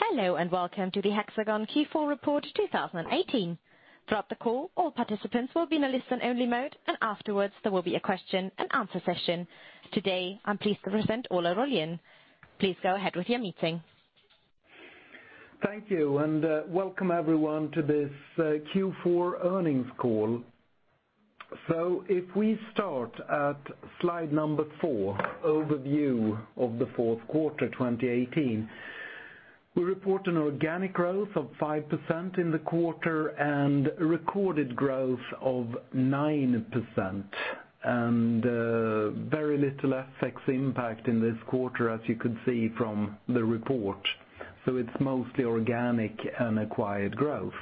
Hello, and welcome to the Hexagon Q4 report 2018. Throughout the call, all participants will be in a listen-only mode, and afterwards, there will be a question and answer session. Today, I'm pleased to present Ola Rollén. Please go ahead with your meeting. Thank you, and welcome everyone to this Q4 earnings call. If we start at slide number four, overview of the fourth quarter 2018. We report an organic growth of 5% in the quarter and a recorded growth of 9%, and very little FX impact in this quarter, as you could see from the report, so it's mostly organic and acquired growth.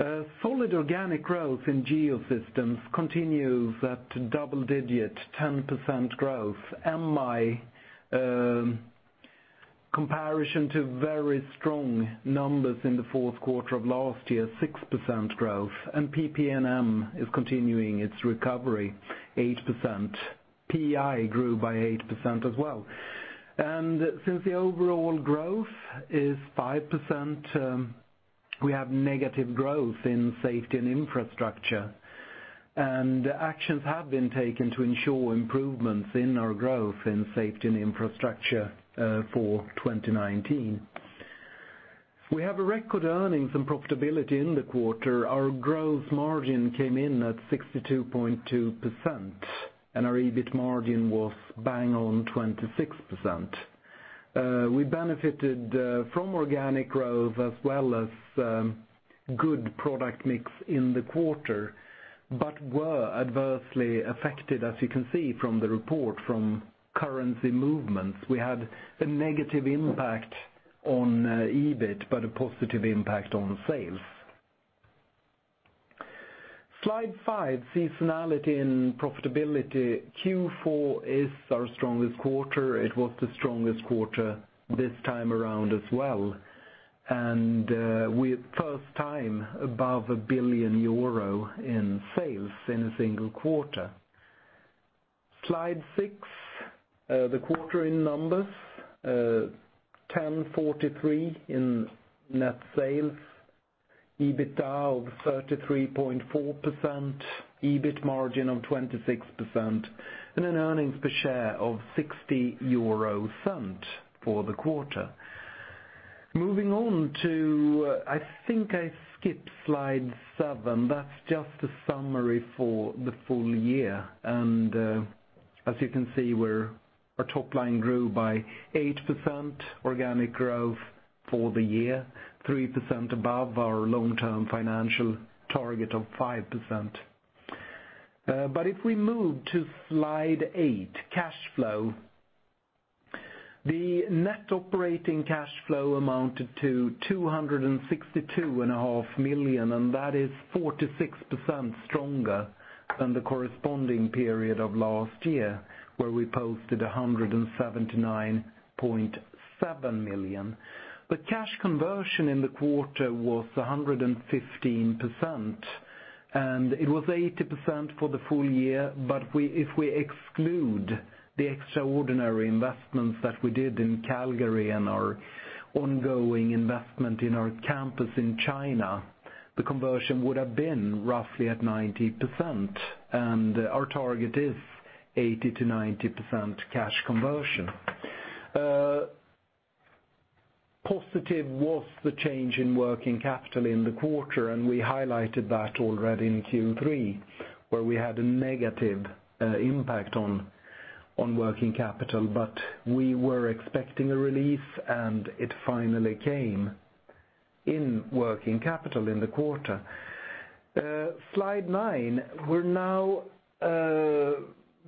A solid organic growth in Geosystems continues at double-digit 10% growth. MI, comparison to very strong numbers in the fourth quarter of last year, 6% growth, and PP&M is continuing its recovery, 8%. PI grew by 8% as well. Since the overall growth is 5%, we have negative growth in safety and infrastructure, and actions have been taken to ensure improvements in our growth in safety and infrastructure, for 2019. We have record earnings and profitability in the quarter. Our growth margin came in at 62.2%, and our EBIT margin was bang on 26%. We benefited from organic growth as well as good product mix in the quarter, but were adversely affected, as you can see from the report, from currency movements. We had a negative impact on EBIT, but a positive impact on sales. Slide five, seasonality and profitability. Q4 is our strongest quarter. It was the strongest quarter this time around as well, and we're first time above 1 billion euro in sales in a single quarter. Slide six, the quarter in numbers, 1,043 million in net sales, EBITDA of 33.4%, EBIT margin of 26%, and an earnings per share of 0.60 for the quarter. I think I skipped slide seven. That's just a summary for the full-year, and as you can see, our top line grew by 8% organic growth for the year, 3% above our long-term financial target of 5%. If we move to slide eight, cash flow. The net operating cash flow amounted to 262.5 million, and that is 46% stronger than the corresponding period of last year, where we posted 179.7 million. The cash conversion in the quarter was 115%, and it was 80% for the full-year, but if we exclude the extraordinary investments that we did in Calgary and our ongoing investment in our campus in China, the conversion would have been roughly at 90%, and our target is 80%-90% cash conversion. Positive was the change in working capital in the quarter, and we highlighted that already in Q3, where we had a negative impact on working capital. We were expecting a relief, and it finally came in working capital in the quarter. Slide nine,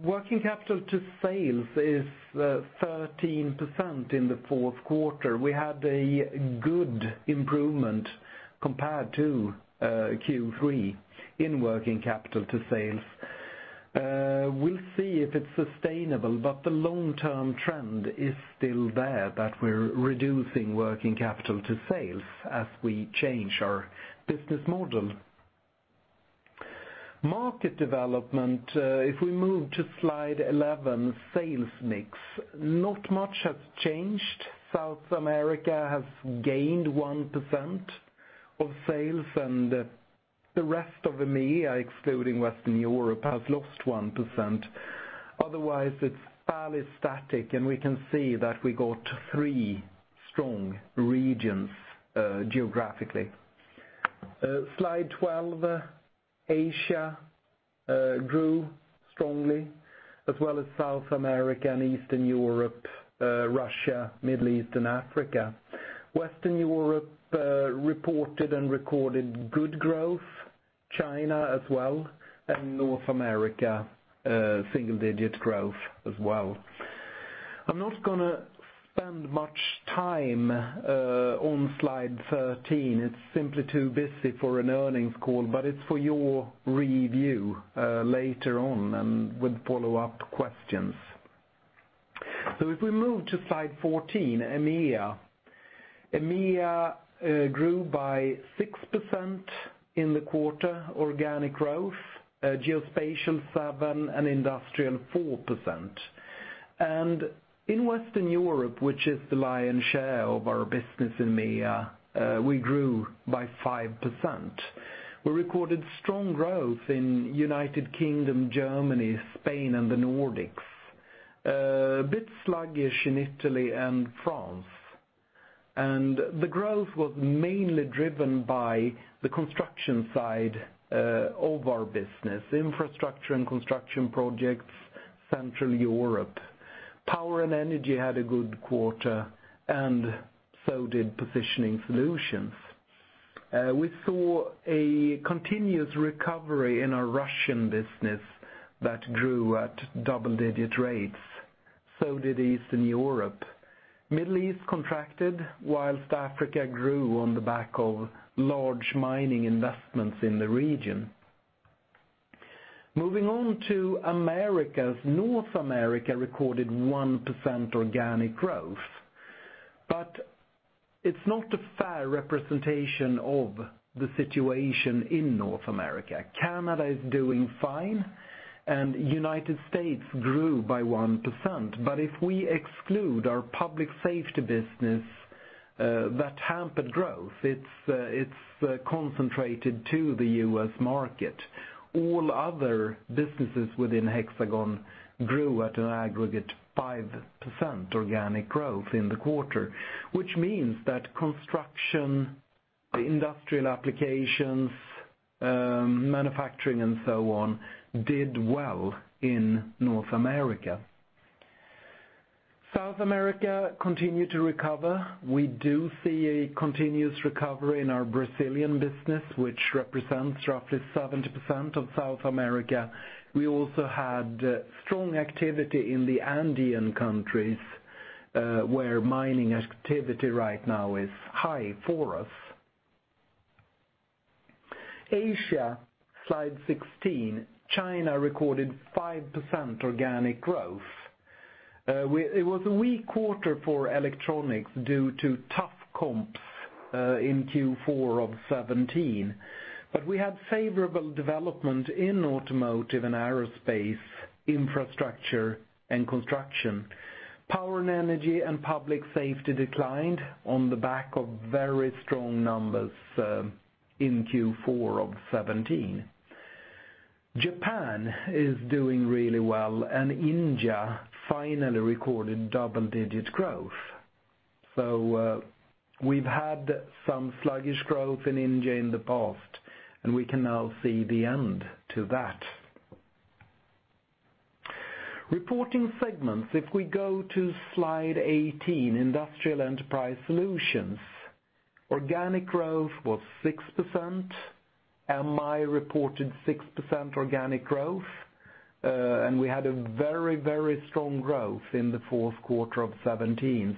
working capital to sales is 13% in the fourth quarter. We had a good improvement compared to Q3 in working capital to sales. We'll see if it's sustainable, but the long-term trend is still there, that we're reducing working capital to sales as we change our business model. Market development, if we move to slide 11, sales mix. Not much has changed. South America has gained 1% of sales, and the rest of EMEA, excluding Western Europe, has lost 1%. Otherwise, it's fairly static, and we can see that we got three strong regions geographically. Slide 12. Asia grew strongly, as well as South America and Eastern Europe, Russia, Middle East, and Africa. Western Europe reported and recorded good growth, China as well, and North America, single-digit growth as well. I'm not going to spend much time on slide 13. It's simply too busy for an earnings call. It's for your review later on and with follow-up questions. If we move to slide 14, EMEA grew by 6% in the quarter, organic growth, Geospatial 7%, and Industrial 4%. In Western Europe, which is the lion's share of our business in EMEA, we grew by 5%. We recorded strong growth in United Kingdom, Germany, Spain, and the Nordics. A bit sluggish in Italy and France. The growth was mainly driven by the construction side of our business, infrastructure and construction projects, Central Europe. Power and Energy had a good quarter, and so did Positioning Solutions. We saw a continuous recovery in our Russian business that grew at double-digit rates. So did Eastern Europe. Middle East contracted, whilst Africa grew on the back of large mining investments in the region. Moving on to Americas. North America recorded 1% organic growth. It's not a fair representation of the situation in North America. Canada is doing fine, and U.S. grew by 1%. If we exclude our public safety business that hampered growth, it's concentrated to the U.S. market. All other businesses within Hexagon grew at an aggregate 5% organic growth in the quarter, which means that construction, industrial applications, manufacturing, and so on, did well in North America. South America continued to recover. We do see a continuous recovery in our Brazilian business, which represents roughly 70% of South America. We also had strong activity in the Andean countries, where mining activity right now is high for us. Asia, slide 16. China recorded 5% organic growth. It was a weak quarter for electronics due to tough comps in Q4 of 2017. We had favorable development in automotive and aerospace, infrastructure, and construction. Power and Energy and Public Safety declined on the back of very strong numbers in Q4 of 2017. Japan is doing really well, and India finally recorded double-digit growth. We've had some sluggish growth in India in the past, and we can now see the end to that. Reporting segments. If we go to slide 18, Industrial Enterprise Solutions, organic growth was 6%. MI reported 6% organic growth, and we had a very strong growth in the fourth quarter of 2017.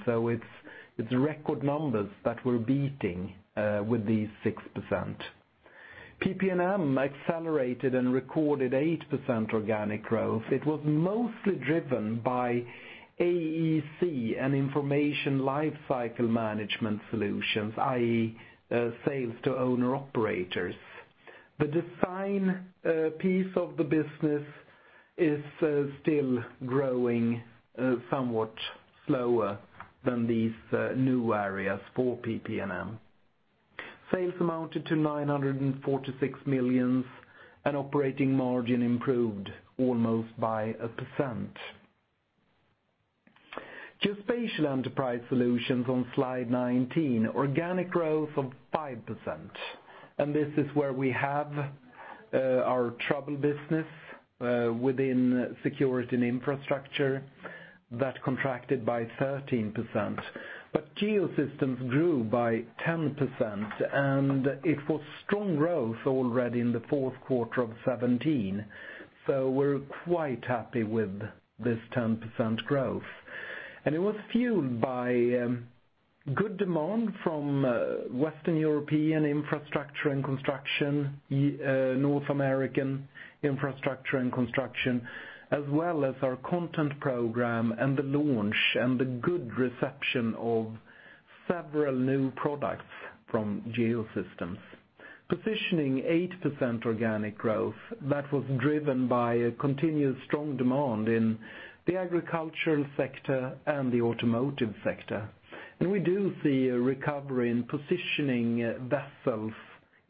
It's record numbers that we're beating with these 6%. PP&M accelerated and recorded 8% organic growth. It was mostly driven by AEC and information lifecycle management solutions, i.e., sales to owner-operators. The design piece of the business is still growing somewhat slower than these new areas for PP&M. Sales amounted to 946 million, operating margin improved almost by 1%. Geospatial enterprise solutions on slide 19, organic growth of 5%. This is where we have our tr business within security and infrastructure that contracted by 13%. Geosystems grew by 10%, it was strong growth already in the fourth quarter of 2017. We're quite happy with this 10% growth. It was fueled by good demand from Western European infrastructure and construction, North American infrastructure and construction, as well as our content program and the launch and the good reception of several new products from Geosystems. Positioning 8% organic growth, that was driven by a continuous strong demand in the agricultural sector and the automotive sector. We do see a recovery in positioning vessels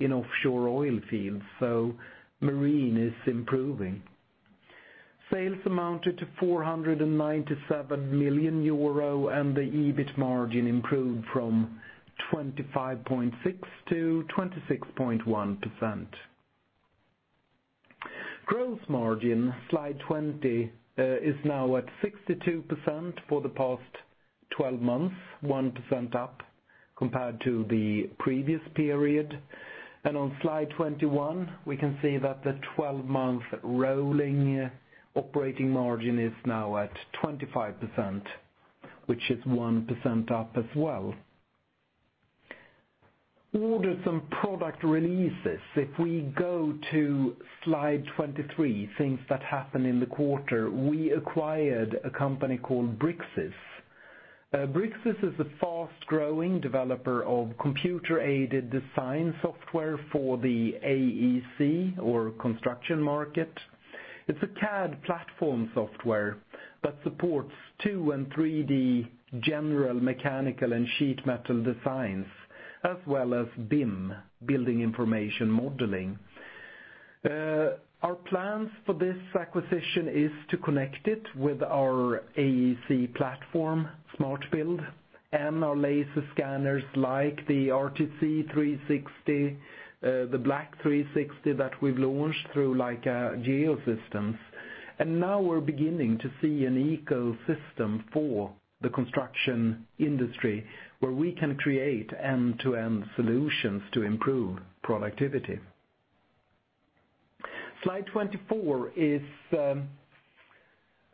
in offshore oil fields, so marine is improving. Sales amounted to 497 million euro, the EBIT margin improved from 25.6%-26.1%. Gross margin, slide 20, is now at 62% for the past 12 months, 1% up compared to the previous period. On slide 21, we can see that the 12-month rolling operating margin is now at 25%, which is 1% up as well. Orders and product releases. If we go to slide 23, things that happened in the quarter, we acquired a company called Bricsys. Bricsys is a fast-growing developer of computer-aided design software for the AEC or construction market. It's a CAD platform software that supports 2D and 3D general mechanical and sheet metal designs, as well as BIM, building information modeling. Our plans for this acquisition is to connect it with our AEC platform, SmartBuild, and our laser scanners like the RTC360, the BLK360 that we've launched through Geosystems. Now we're beginning to see an ecosystem for the construction industry where we can create end-to-end solutions to improve productivity. Slide 24 is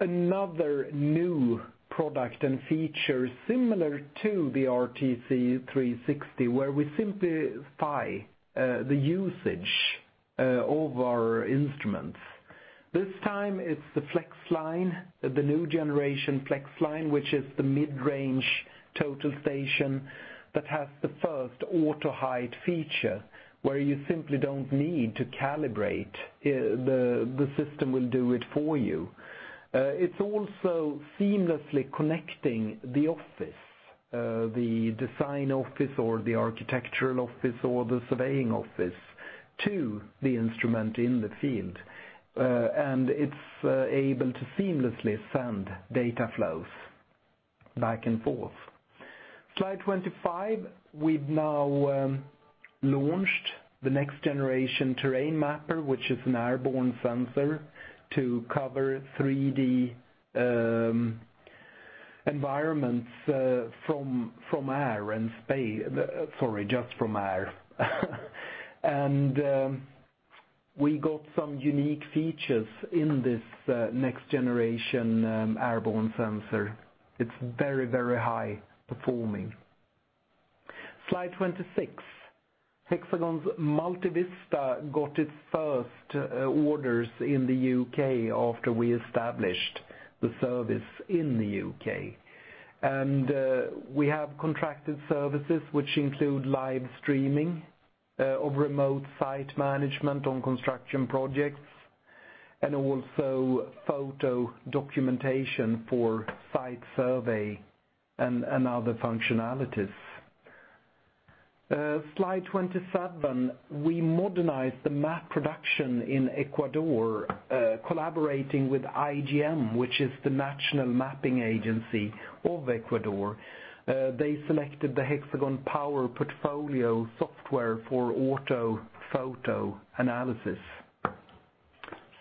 another new product and feature similar to the RTC360, where we simplify the usage of our instruments. This time it's the FlexLine, the new generation FlexLine, which is the mid-range total station that has the first AutoHeight feature, where you simply don't need to calibrate, the system will do it for you. It's also seamlessly connecting the office, the design office, or the architectural office, or the surveying office to the instrument in the field. It's able to seamlessly send data flows back and forth. Slide 25. We've now launched the next generation terrain mapper, which is an airborne sensor to cover 3D environments just from air. We got some unique features in this next generation airborne sensor. It's very high performing. Slide 26. Hexagon's Multivista got its first orders in the U.K. after we established the service in the U.K. We have contracted services which include live streaming of remote site management on construction projects, and also photo documentation for site survey and other functionalities. Slide 27, we modernized the map production in Ecuador, collaborating with IGM, which is the national mapping agency of Ecuador. They selected the Hexagon Power Portfolio software for orthophoto analysis.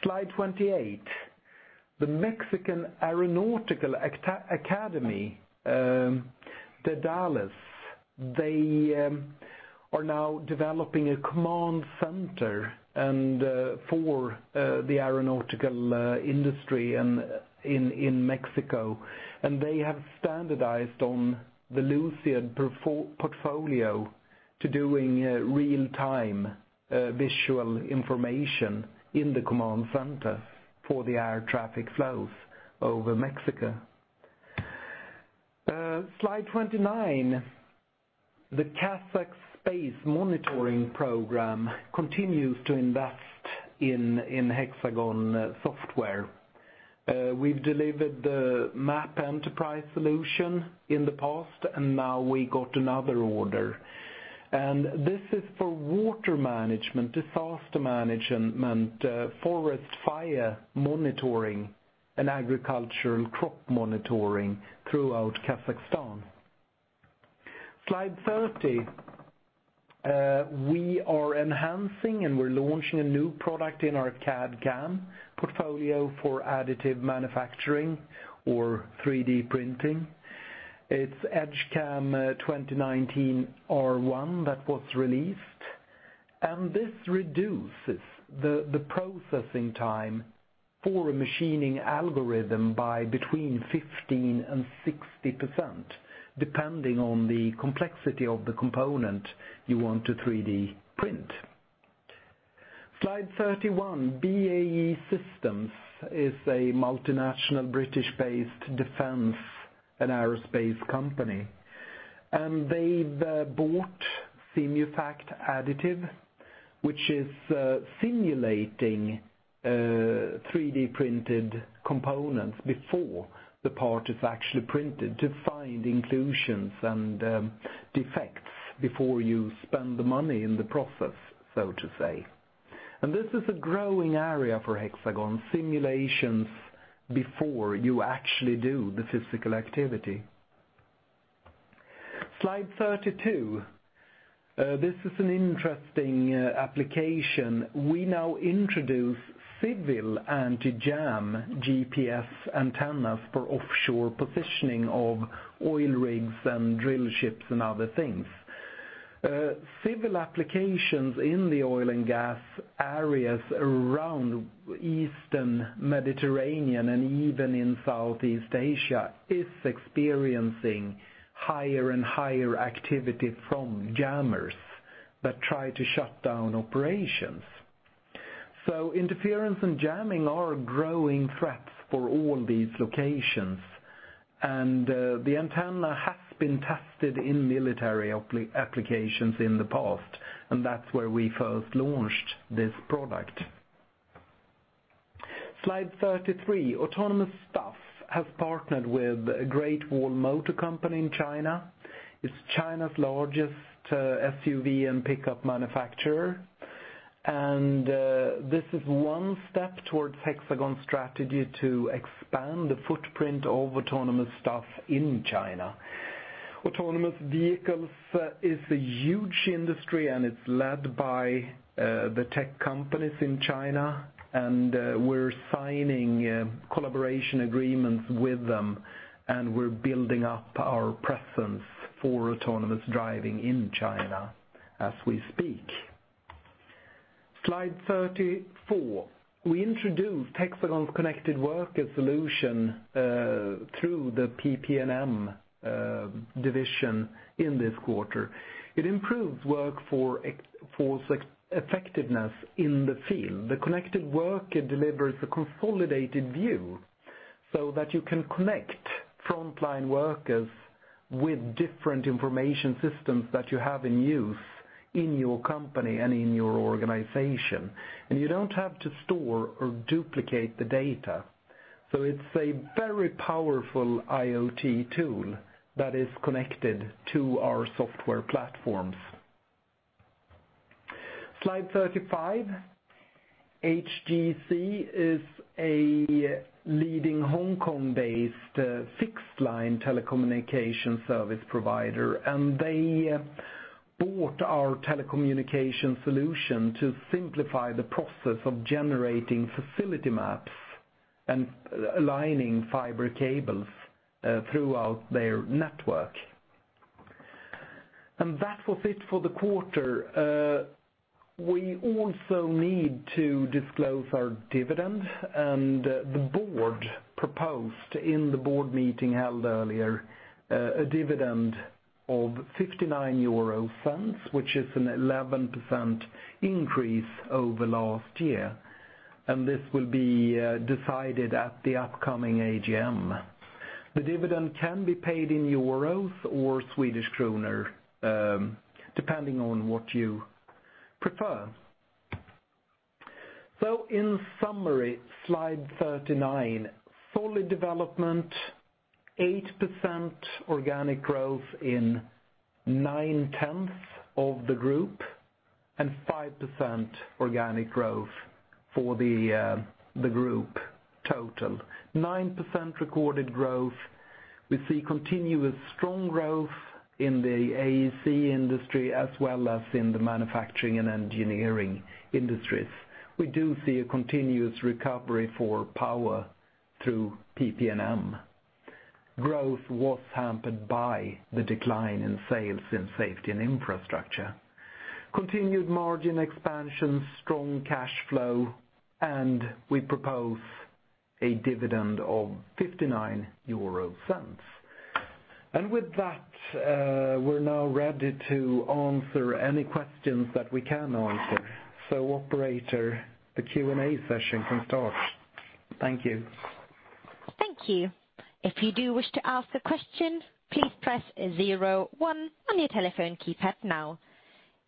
Slide 28, the Mexican Aeronautical Academy, Daedalus, they are now developing a command center for the aeronautical industry in Mexico. They have standardized on the Luciad portfolio to doing real-time visual information in the command center for the air traffic flows over Mexico. Slide 29. The Kazakhstan space program continues to invest in Hexagon software. We've delivered the M.App Enterprise solution in the past, and now we got another order. This is for water management, disaster management, forest fire monitoring, and agricultural crop monitoring throughout Kazakhstan. Slide 30. We are enhancing and we're launching a new product in our CAD/CAM portfolio for additive manufacturing or 3D printing. It's Edgecam 2019 R1 that was released. This reduces the processing time for a machining algorithm by between 15% and 60%, depending on the complexity of the component you want to 3D print. Slide 31. BAE Systems is a multinational British-based defense and aerospace company. They've bought Simufact Additive, which is simulating 3D-printed components before the part is actually printed to find inclusions and defects before you spend the money in the process, so to say. This is a growing area for Hexagon. Simulations before you actually do the physical activity. Slide 32. This is an interesting application. We now introduce civil anti-jam GPS antennas for offshore positioning of oil rigs and drill ships and other things. Civil applications in the oil and gas areas around Eastern Mediterranean and even in Southeast Asia is experiencing higher and higher activity from jammers that try to shut down operations. Interference and jamming are growing threats for all these locations. The antenna has been tested in military applications in the past, and that's where we first launched this product. Slide 33. AutonomouStuff has partnered with Great Wall Motor Company in China. It's China's largest SUV and pickup manufacturer. This is one step towards Hexagon's strategy to expand the footprint of AutonomouStuff in China. Autonomous vehicles is a huge industry, and it's led by the tech companies in China, and we're signing collaboration agreements with them, and we're building up our presence for autonomous driving in China as we speak. Slide 34. We introduced Hexagon's Connected Worker solution through the PP&M division in this quarter. It improves workforce effectiveness in the field. The Connected Worker delivers a consolidated view so that you can connect frontline workers with different information systems that you have in use in your company and in your organization. You don't have to store or duplicate the data. It's a very powerful IoT tool that is connected to our software platforms. Slide 35. HGC is a leading Hong Kong-based fixed-line telecommunication service provider. They bought our telecommunication solution to simplify the process of generating facility maps and aligning fiber cables throughout their network. That was it for the quarter. We also need to disclose our dividend. The board proposed in the board meeting held earlier a dividend of 0.59, which is an 11% increase over last year. This will be decided at the upcoming AGM. The dividend can be paid in euros or Swedish kroner, depending on what you prefer. In summary, slide 39. Solid development, 8% organic growth in 9/10 of the group, 5% organic growth for the group total. 9% recorded growth. We see continuous strong growth in the AEC industry as well as in the manufacturing and engineering industries. We do see a continuous recovery for power through PP&M. Growth was hampered by the decline in sales in safety and infrastructure. Continued margin expansion, strong cash flow, we propose a dividend of 0.59. With that, we are now ready to answer any questions that we can answer. Operator, the Q&A session can start. Thank you. Thank you. If you do wish to ask a question, please press zero one on your telephone keypad now.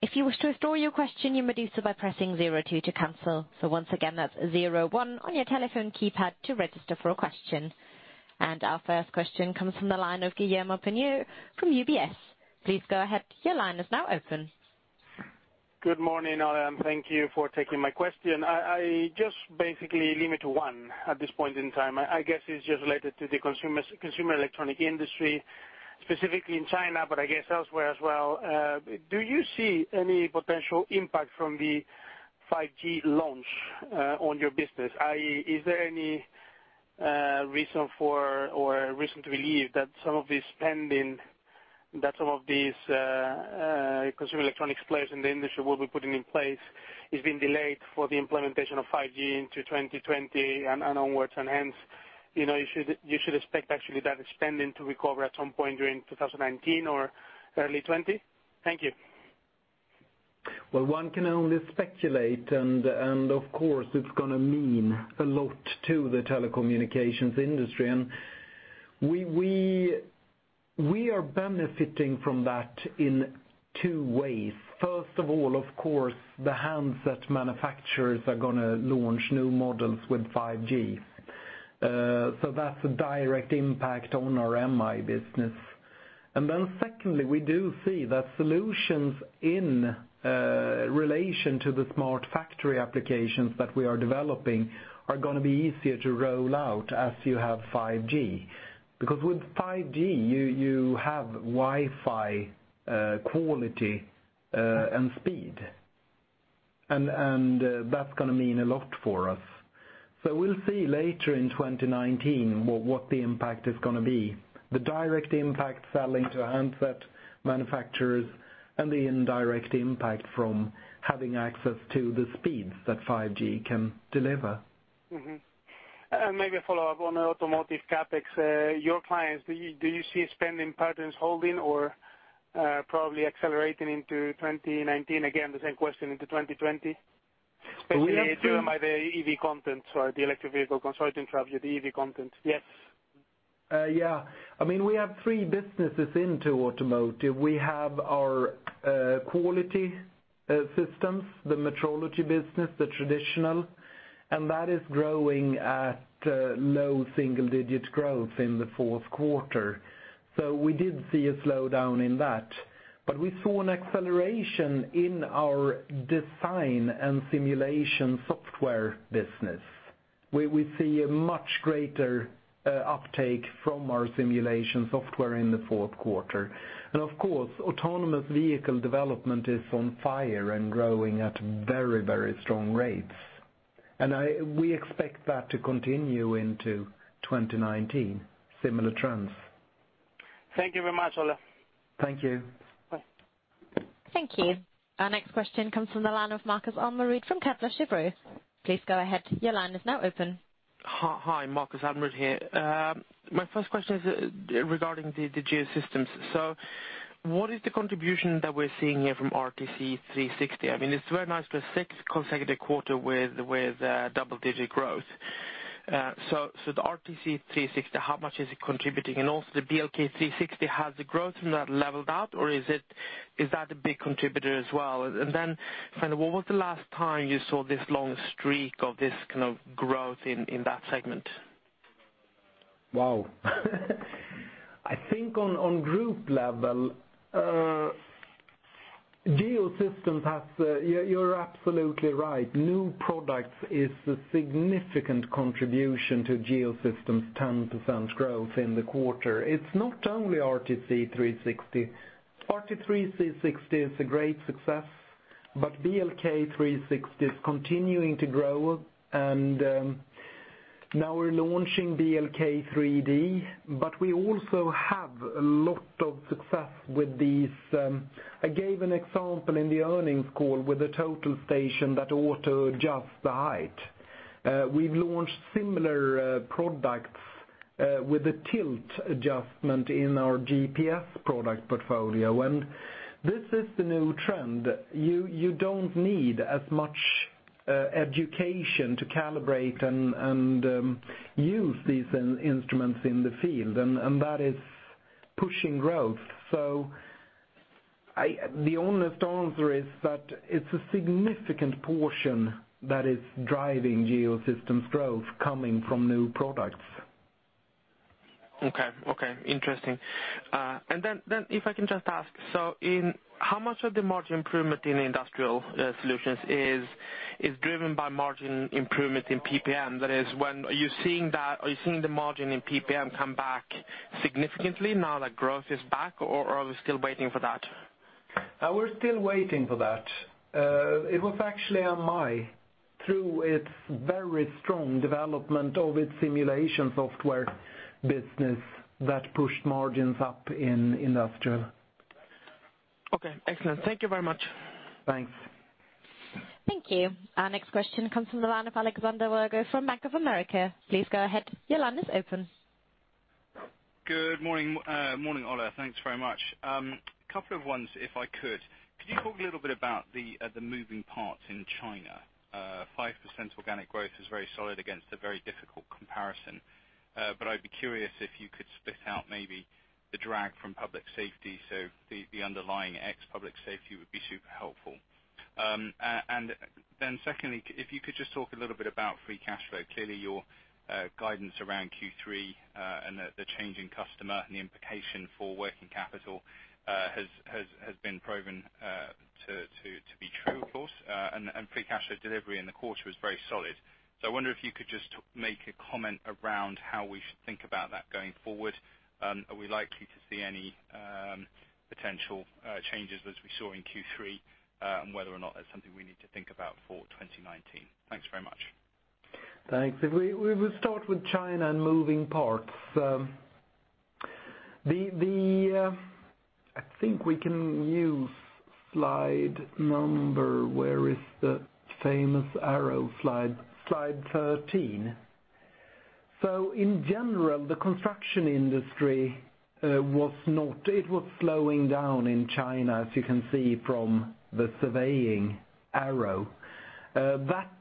If you wish to withdraw your question, you may do so by pressing zero two to cancel. Once again, that's zero one on your telephone keypad to register for a question. Our first question comes from the line of Guillermo Pena from UBS. Please go ahead. Your line is now open. Good morning, all, thank you for taking my question. I just basically limit to one at this point in time. I guess it's just related to the consumer electronic industry, specifically in China, but I guess elsewhere as well. Do you see any potential impact from the 5G launch on your business? Is there any reason for or reason to believe that some of these pending, that some of these consumer electronics players in the industry will be putting in place is being delayed for the implementation of 5G into 2020 and onwards, hence, you should expect actually that spending to recover at some point during 2019 or early 2020? Thank you. One can only speculate, of course, it's going to mean a lot to the telecommunications industry. We are benefiting from that in two ways. First of all, of course, the handset manufacturers are going to launch new models with 5G. That's a direct impact on our MI business. Then secondly, we do see that solutions in relation to the smart factory applications that we are developing are going to be easier to roll out as you have 5G. With 5G, you have Wi-Fi quality and speed. That's going to mean a lot for us. We will see later in 2019 what the impact is going to be. The direct impact selling to handset manufacturers and the indirect impact from having access to the speeds that 5G can deliver. Maybe a follow-up on the automotive CapEx. Your clients, do you see spending patterns holding or probably accelerating into 2019? Again, the same question into 2020? Especially driven by the EV content, sorry, the electric vehicle content. Yes. We have three businesses into automotive. We have our quality systems, the metrology business, the traditional, that is growing at low single-digit growth in the fourth quarter. We did see a slowdown in that. We saw an acceleration in our design and simulation software business, where we see a much greater uptake from our simulation software in the fourth quarter. Of course, autonomous vehicle development is on fire and growing at very strong rates. We expect that to continue into 2019, similar trends. Thank you very much, Ola. Thank you. Bye. Thank you. Our next question comes from the line of Marcus Almered from Kepler Cheuvreux. Please go ahead. Your line is now open. Hi, Marcus Almered here. My first question is regarding the Geosystems. What is the contribution that we're seeing here from RTC360? It's very nice, the sixth consecutive quarter with double-digit growth. The RTC360, how much is it contributing? Also the BLK360, has the growth from that leveled out, or is that a big contributor as well? When was the last time you saw this long streak of this kind of growth in that segment? Wow. I think on group level, you're absolutely right. New products is a significant contribution to Geosystems' 10% growth in the quarter. It's not only RTC360. RTC360 is a great success, but BLK360 is continuing to grow, and now we're launching BLK3D, but we also have a lot of success with these. I gave an example in the earnings call with the total station that auto adjusts the height. We've launched similar products with a tilt adjustment in our GPS product portfolio. This is the new trend. You don't need as much education to calibrate and use these instruments in the field, and that is pushing growth. The honest answer is that it's a significant portion that is driving Geosystems growth coming from new products. Okay. Interesting. If I can just ask, how much of the margin improvement in Industrial Solutions is driven by margin improvement in PP&M? That is, are you seeing the margin in PP&M come back significantly now that growth is back, or are we still waiting for that? We're still waiting for that. It was actually MI, through its very strong development of its simulation software business, that pushed margins up in Industrial. Okay, excellent. Thank you very much. Thanks. Thank you. Our next question comes from the line of Alexander Virgo from Bank of America. Please go ahead. Your line is open. Good morning, Ola. Thanks very much. Couple of ones, if I could. Could you talk a little bit about the moving parts in China? 5% organic growth is very solid against a very difficult comparison. I'd be curious if you could split out maybe the drag from Public Safety, so the underlying ex Public Safety would be super helpful. Secondly, if you could just talk a little bit about free cash flow. Clearly, your guidance around Q3 and the change in customer and the implication for working capital has been proven to be true, of course. Free cash flow delivery in the quarter was very solid. I wonder if you could just make a comment around how we should think about that going forward. Are we likely to see any potential changes as we saw in Q3, and whether or not that's something we need to think about for 2019? Thanks very much. Thanks. We will start with China and Moving Parts. I think we can use slide number. Where is the famous arrow slide? Slide 13. In general, the construction industry was slowing down in China, as you can see from the surveying arrow. That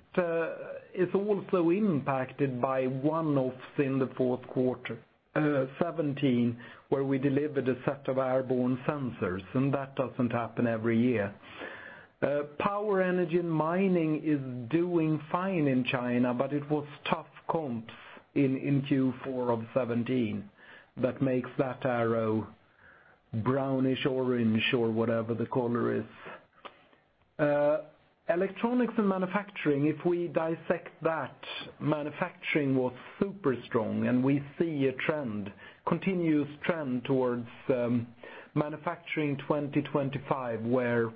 is also impacted by one-offs in the fourth quarter, Q4 2017, where we delivered a set of airborne sensors, and that doesn't happen every year. Power energy and mining is doing fine in China, but it was tough comps in Q4 of 2017 that makes that arrow brownish orange or whatever the color is. Electronics and manufacturing, if we dissect that, manufacturing was super strong, and we see a continuous trend towards Manufacturing 2025, where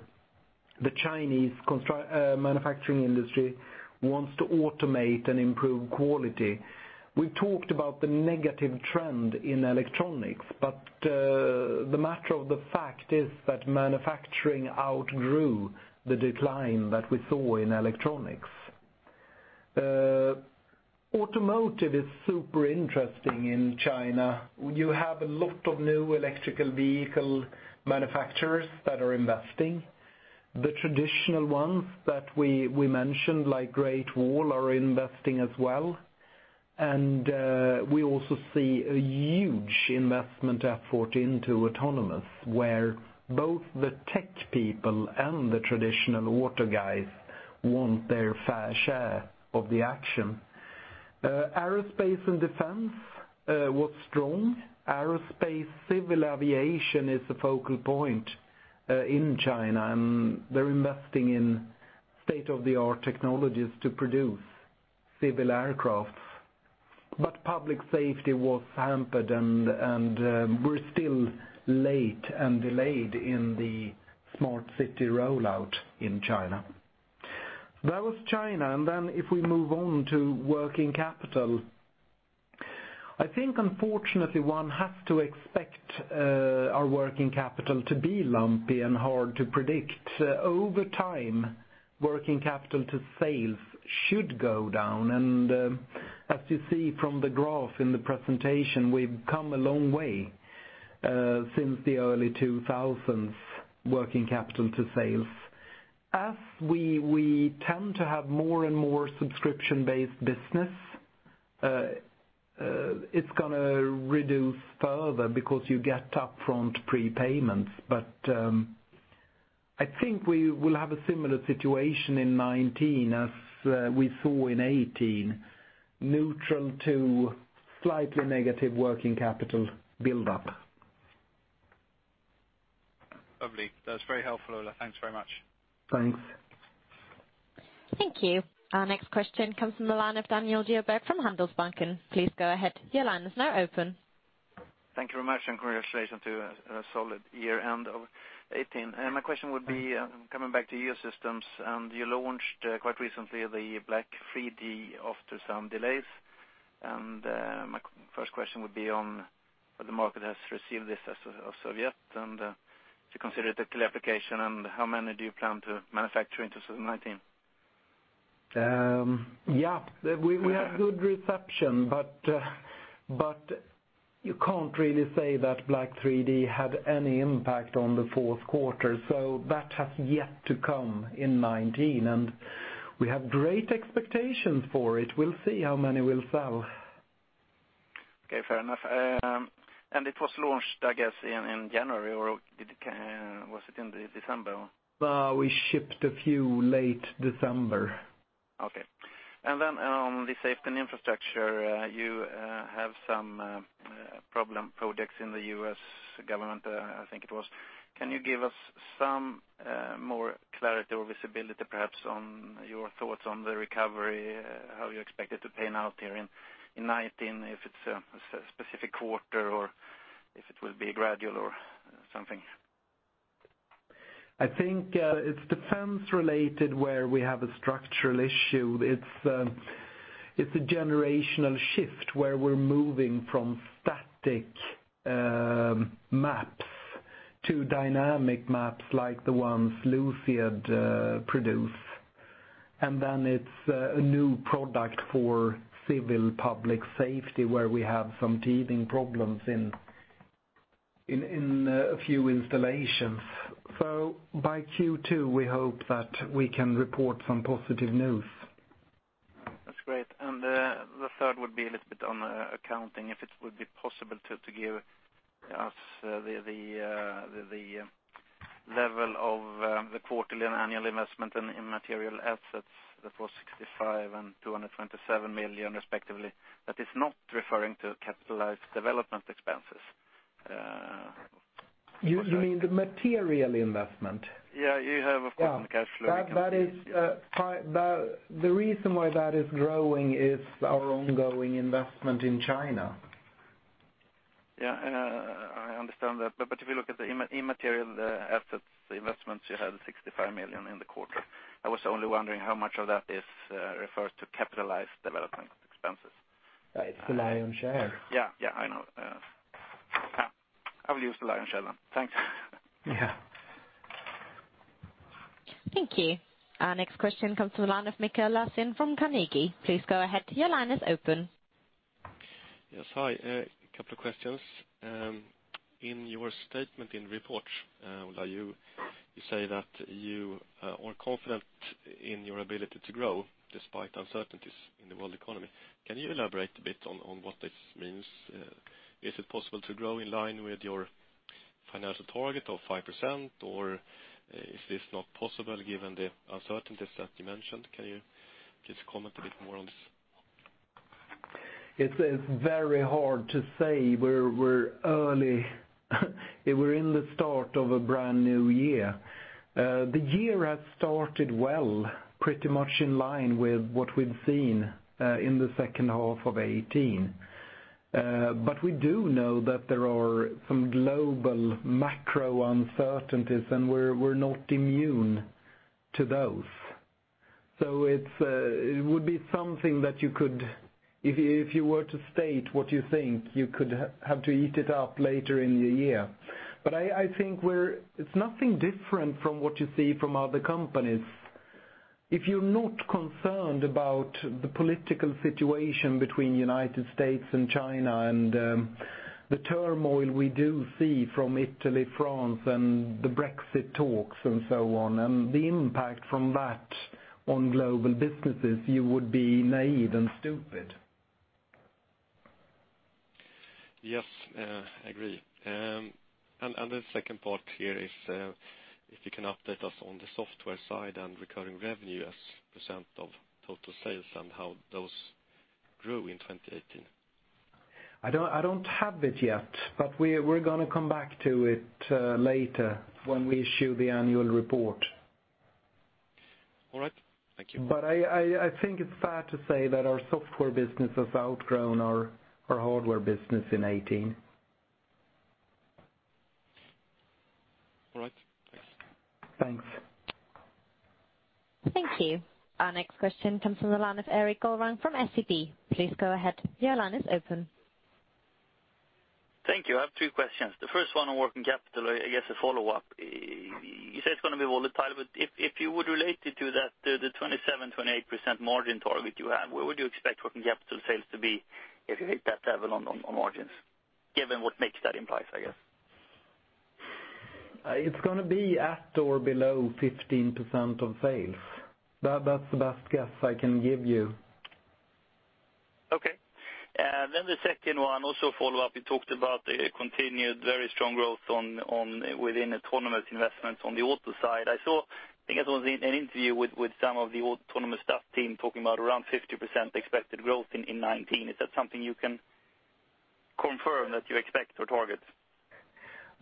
the Chinese manufacturing industry wants to automate and improve quality. We talked about the negative trend in electronics, but the matter of the fact is that manufacturing outgrew the decline that we saw in electronics. Automotive is super interesting in China. You have a lot of new electrical vehicle manufacturers that are investing. The traditional ones that we mentioned, like Great Wall, are investing as well. We also see a huge investment effort into autonomous, where both the tech people and the traditional auto guys want their fair share of the action. Aerospace and defense was strong. Aerospace civil aviation is a focal point in China, and they're investing in state-of-the-art technologies to produce civil aircraft. Public safety was hampered, and we're still late and delayed in the smart city rollout in China. That was China. If we move on to working capital. I think unfortunately one has to expect our working capital to be lumpy and hard to predict. Over time, working capital to sales should go down, and as you see from the graph in the presentation, we've come a long way since the early 2000s, working capital to sales. As we tend to have more and more subscription-based business, it's going to reduce further because you get upfront prepayments. I think we will have a similar situation in 2019 as we saw in 2018, neutral to slightly negative working capital buildup. Lovely. That is very helpful, Ola. Thanks very much. Thanks. Thank you. Our next question comes from the line of Daniel Djurberg from Handelsbanken. Please go ahead. Your line is now open. Thank you very much, congratulations to a solid year end of 2018. My question would be, coming back to Geosystems, you launched quite recently the BLK3D after some delays. My first question would be on whether the market has received this as of yet, do you consider it a clear application, how many do you plan to manufacture into 2019? Yeah. We have good reception, but you cannot really say that BLK3D had any impact on the fourth quarter, so that has yet to come in 2019. We have great expectations for it. We will see how many we will sell. Okay, fair enough. It was launched, I guess, in January, or was it in the December? We shipped a few late December. Okay. On the safety and infrastructure, you have some problem projects in the U.S. government, I think it was. Can you give us some more clarity or visibility, perhaps, on your thoughts on the recovery, how you expect it to pan out here in 2019, if it's a specific quarter or if it will be gradual or something? I think it's defense related where we have a structural issue. It's a generational shift where we're moving from static maps to dynamic maps like the ones Luciad produce. It's a new product for civil public safety, where we have some teething problems in a few installations. By Q2, we hope that we can report some positive news. That's great. The third would be a little bit on accounting, if it would be possible to give us the level of the quarterly and annual investment in immaterial assets. That was 65 and 227 million, respectively. That is not referring to capitalized development expenses. You mean the material investment? Yeah, you have a cash flow- The reason why that is growing is our ongoing investment in China. I understand that. If you look at the immaterial assets investments, you had 65 million in the quarter. I was only wondering how much of that is referred to capitalized development expenses. It's the lion's share. Yeah, I know. I will use the lion's share then. Thanks. Yeah. Thank you. Our next question comes from the line of Mikael Laséen from Carnegie. Please go ahead. Your line is open. Yes, hi. A couple of questions. In your statement in report, Ola, you say that you are confident in your ability to grow despite uncertainties in the world economy. Can you elaborate a bit on what this means? Is it possible to grow in line with your financial target of 5% or is this not possible given the uncertainties that you mentioned? Can you just comment a bit more on this? It's very hard to say. We're early. We're in the start of a brand new year. The year has started well, pretty much in line with what we've seen in the second half of 2018. We do know that there are some global macro uncertainties, and we're not immune to those. It would be something that if you were to state what you think, you could have to eat it up later in the year. I think it's nothing different from what you see from other companies. If you're not concerned about the political situation between U.S. and China and the turmoil we do see from Italy, France, and the Brexit talks and so on, and the impact from that on global businesses, you would be naive and stupid. Yes, I agree. The second part here is if you can update us on the software side and recurring revenue as percentage of total sales and how those grew in 2018. I don't have it yet. We're going to come back to it later when we issue the annual report. All right. Thank you. I think it's fair to say that our software business has outgrown our hardware business in 2018. All right. Thanks. Thanks. Thank you. Our next question comes from the line of Erik Golrang from SEB. Please go ahead. Your line is open. Thank you. I have two questions. The first one on working capital, I guess a follow-up. You say it's going to be volatile, but if you would relate it to the 27%-28% margin target you have, where would you expect working capital sales to be if you hit that level on margins, given what mix that implies, I guess? It's going to be at or below 15% of sales. That's the best guess I can give you. The second one, also a follow-up. You talked about the continued very strong growth within autonomous investments on the auto side. I saw, I think it was in an interview with some of the AutonomouStuff team talking about around 50% expected growth in 2019. Is that something you can confirm that you expect or target?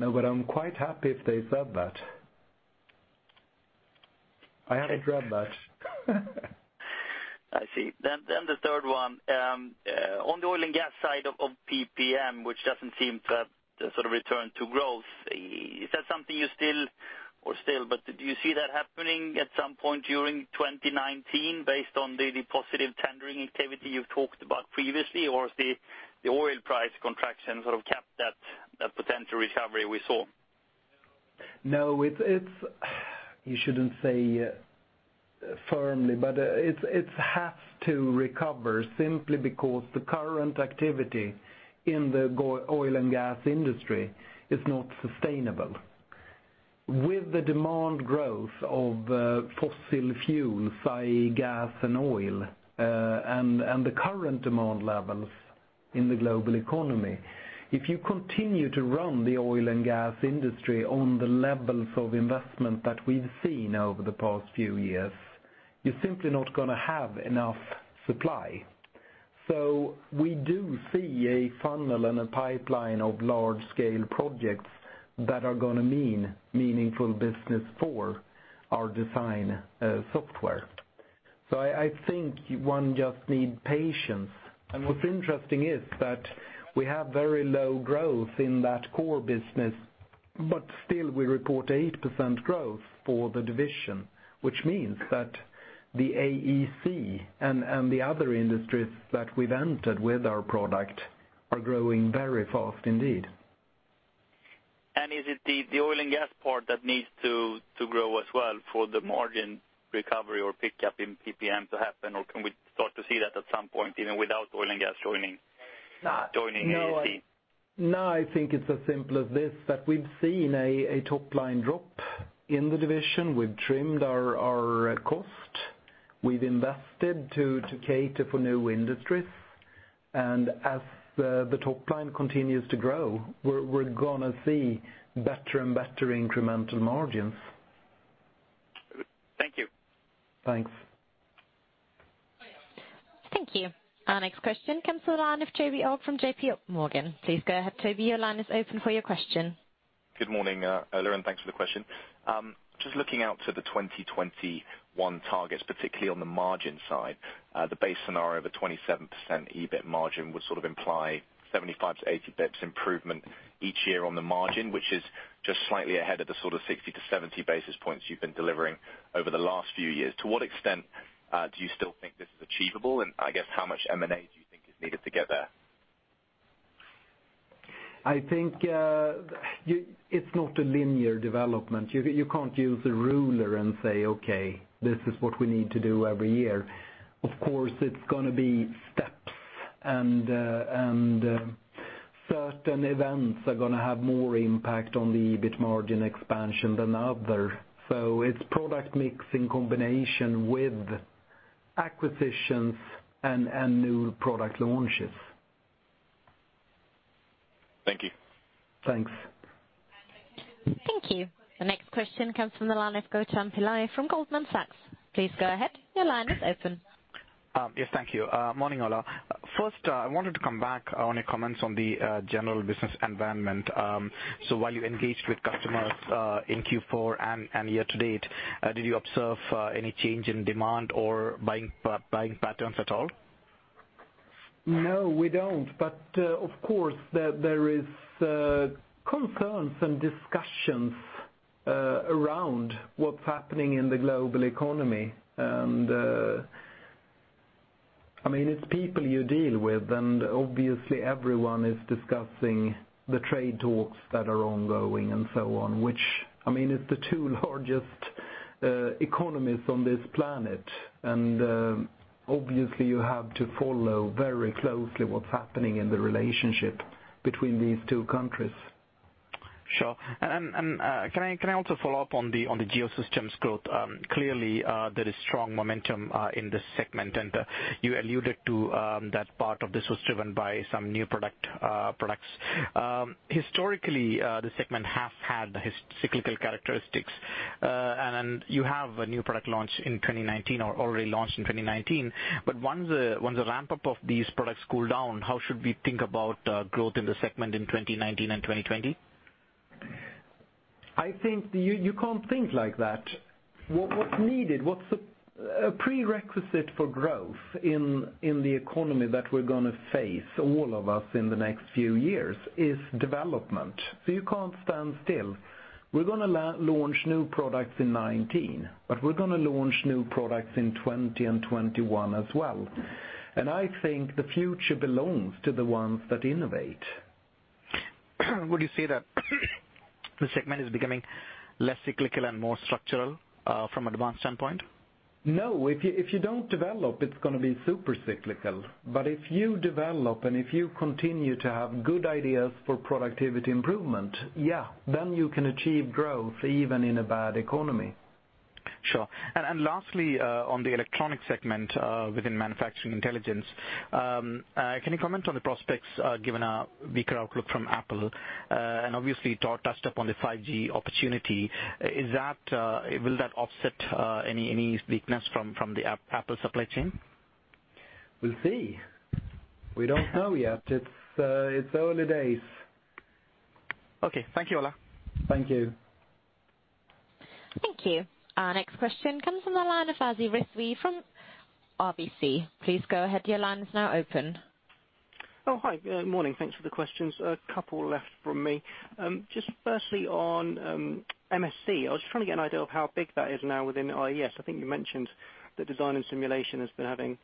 No, but I'm quite happy if they said that. I haven't read that. I see. The third one. On the oil and gas side of PP&M, which does not seem to return to growth, is that something you still see happening at some point during 2019 based on the positive tendering activity you've talked about previously? Or has the oil price contraction sort of capped that potential recovery we saw? No, you shouldn't say firmly, but it has to recover simply because the current activity in the oil and gas industry is not sustainable. With the demand growth of fossil fuels, say, gas and oil, and the current demand levels in the global economy, if you continue to run the oil and gas industry on the levels of investment that we've seen over the past few years, you're simply not going to have enough supply. We do see a funnel and a pipeline of large-scale projects that are going to mean meaningful business for our design software. I think one just need patience. What's interesting is that we have very low growth in that core business, but still we report 8% growth for the division, which means that the AEC and the other industries that we've entered with our product are growing very fast indeed. Is it the oil and gas part that needs to grow as well for the margin recovery or pickup in PP&M to happen? Or can we start to see that at some point even without oil and gas joining the scene? No, I think it's as simple as this, that we've seen a top-line drop in the division. We've trimmed our cost. We've invested to cater for new industries. As the top line continues to grow, we're going to see better and better incremental margins. Thank you. Thanks. Thank you. Our next question comes to the line of Toby Elk from JP Morgan. Please go ahead, Toby, your line is open for your question. Good morning, Ola, thanks for the question. Just looking out to the 2021 targets, particularly on the margin side, the base scenario of a 27% EBIT margin would sort of imply 75-80 basis points improvement each year on the margin, which is just slightly ahead of the sort of 60-70 basis points you've been delivering over the last few years. To what extent do you still think this is achievable? I guess how much M&A do you think is needed to get there? I think it's not a linear development. You can't use a ruler and say, "Okay, this is what we need to do every year." Of course, it's going to be steps, and certain events are going to have more impact on the EBIT margin expansion than others. It's product mix in combination with acquisitions and new product launches. Thank you. Thanks. Thank you. The next question comes from the line of Gautham Pillai from Goldman Sachs. Please go ahead. Your line is open. Yes, thank you. Morning, Ola. First, I wanted to come back on your comments on the general business environment. While you engaged with customers in Q4 and year to date, did you observe any change in demand or buying patterns at all? No, we don't. Of course, there is concerns and discussions around what's happening in the global economy. It's people you deal with, and obviously everyone is discussing the trade talks that are ongoing and so on, which is the two largest economies on this planet. Obviously you have to follow very closely what's happening in the relationship between these two countries. Can I also follow up on the Geosystems growth? Clearly, there is strong momentum in this segment, and you alluded to that part of this was driven by some new products. Historically, the segment has had cyclical characteristics. You have a new product launch in 2019 or already launched in 2019, but once the ramp-up of these products cool down, how should we think about growth in the segment in 2019 and 2020? I think you can't think like that. What's needed, what's a prerequisite for growth in the economy that we're going to face, all of us in the next few years, is development. You can't stand still. We're going to launch new products in 2019, but we're going to launch new products in 2020 and 2021 as well. I think the future belongs to the ones that innovate. Would you say that the segment is becoming less cyclical and more structural from advanced standpoint? No. If you don't develop, it's going to be super cyclical. If you develop, and if you continue to have good ideas for productivity improvement, you can achieve growth even in a bad economy. Sure. Lastly, on the electronic segment within Manufacturing Intelligence, can you comment on the prospects, given a weaker outlook from Apple? Obviously, Tor touched up on the 5G opportunity. Will that offset any weakness from the Apple supply chain? We'll see. We don't know yet. It's early days. Okay. Thank you, Ola. Thank you. Thank you. Our next question comes from the line of Fasi Rizvi from RBC. Please go ahead, your line is now open. Oh, hi. Morning. Thanks for the questions. A couple left from me. Just firstly on MSC, I was just trying to get an idea of how big that is now within IES. I think you mentioned that design and simulation has been having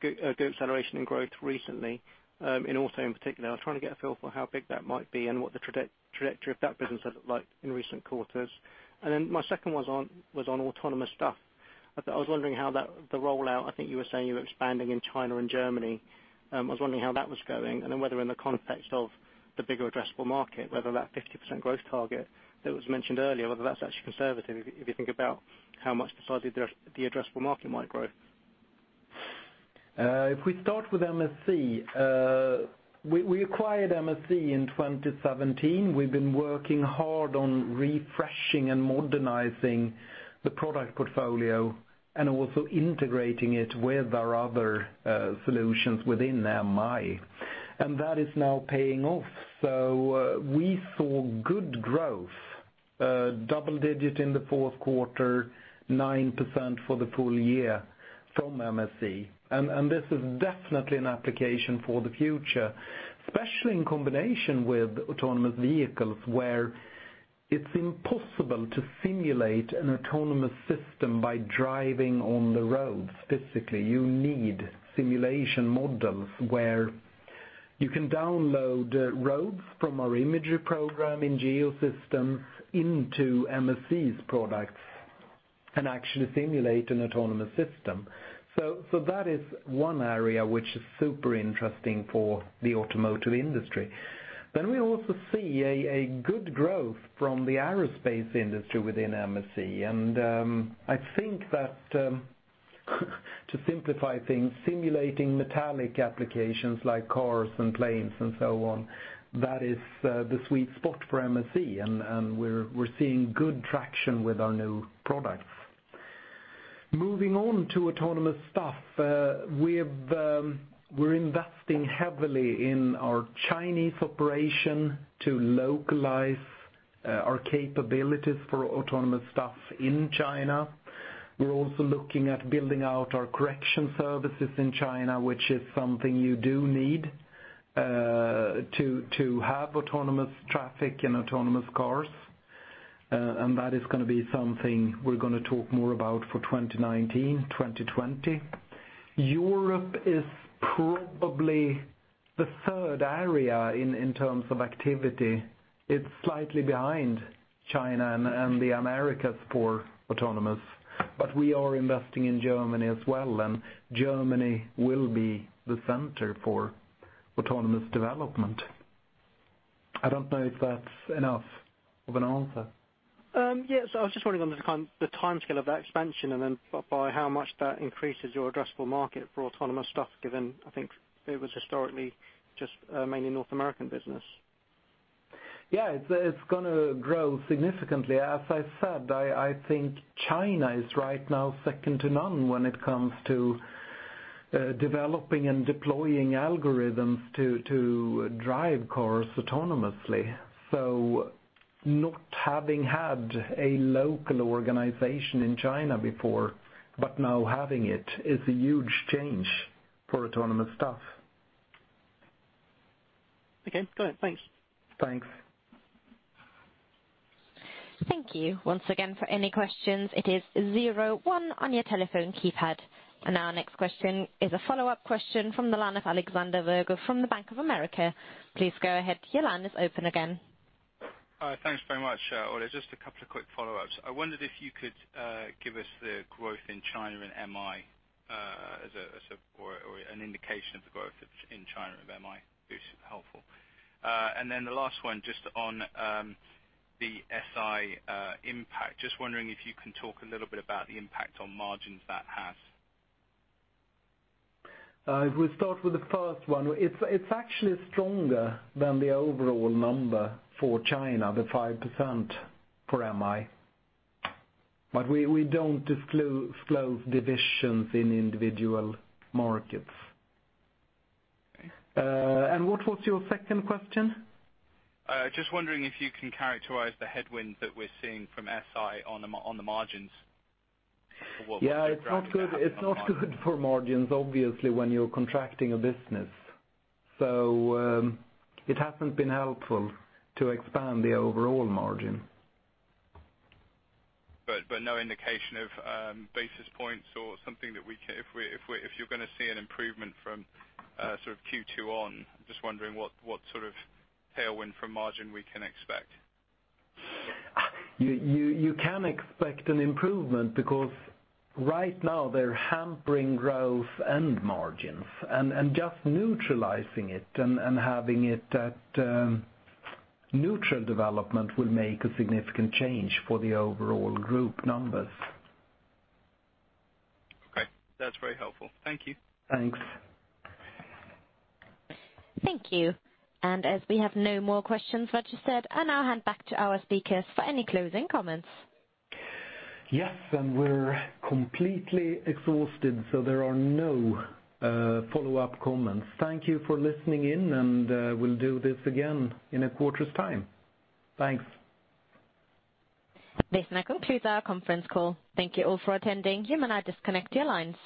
good acceleration and growth recently, in auto in particular. I was trying to get a feel for how big that might be and what the trajectory of that business has looked like in recent quarters. Then my second was on AutonomouStuff. I was wondering how the rollout, I think you were saying you were expanding in China and Germany. I was wondering how that was going, and then whether in the context of the bigger addressable market, whether that 50% growth target that was mentioned earlier, whether that's actually conservative if you think about how much the size of the addressable market might grow. If we start with MSC, we acquired MSC in 2017. We've been working hard on refreshing and modernizing the product portfolio, also integrating it with our other solutions within MI. That is now paying off. We saw good growth, double digit in the fourth quarter, 9% for the full-year from MSC. This is definitely an application for the future, especially in combination with autonomous vehicles, where it's impossible to simulate an autonomous system by driving on the roads physically. You need simulation models where you can download roads from our imagery program in Geosystems into MSC's products and actually simulate an autonomous system. That is one area which is super interesting for the automotive industry. We also see a good growth from the aerospace industry within MSC. I think that to simplify things, simulating metallic applications like cars and planes and so on, that is the sweet spot for MSC, and we're seeing good traction with our new products. Moving on to AutonomouStuff. We're investing heavily in our Chinese operation to localize our capabilities for AutonomouStuff in China. We're also looking at building out our correction services in China, which is something you do need to have autonomous traffic and autonomous cars, and that is going to be something we're going to talk more about for 2019, 2020. Europe is probably the third area in terms of activity. It's slightly behind China and the Americas for autonomous, but we are investing in Germany as well, and Germany will be the center for autonomous development. I don't know if that's enough of an answer. Yes. I was just wondering on the timescale of that expansion and then by how much that increases your addressable market for AutonomouStuff, given, I think it was historically just mainly North American business. Yeah. It's going to grow significantly. As I said, I think China is right now second to none when it comes to developing and deploying algorithms to drive cars autonomously. Not having had a local organization in China before, but now having it is a huge change for AutonomouStuff. Okay, go ahead. Thanks. Thanks. Thank you. Once again, for any questions, it is zero one on your telephone keypad. Our next question is a follow-up question from the line of Alexander Virgo from the Bank of America. Please go ahead. Your line is open again. Thanks very much. Ola, just a couple of quick follow-ups. I wondered if you could give us the growth in China in MI or an indication of the growth in China of MI, it's helpful. The last one, just on the SI impact. Just wondering if you can talk a little bit about the impact on margins that has. If we start with the first one, it's actually stronger than the overall number for China, the 5% for MI. We don't disclose divisions in individual markets. Okay. What was your second question? Just wondering if you can characterize the headwind that we're seeing from SI on the margins. It's not good for margins, obviously, when you're contracting a business. It hasn't been helpful to expand the overall margin. No indication of basis points or something that if you're going to see an improvement from Q2 on, just wondering what sort of tailwind from margin we can expect. You can expect an improvement because right now they're hampering growth and margins, and just neutralizing it and having it at neutral development will make a significant change for the overall group numbers. That's very helpful. Thank you. Thanks. Thank you. As we have no more questions registered, I now hand back to our speakers for any closing comments. Yes. We're completely exhausted, there are no follow-up comments. Thank you for listening in, we'll do this again in a quarter's time. Thanks. This now concludes our conference call. Thank you all for attending, you may now disconnect your lines.